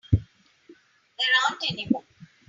There ain't any more.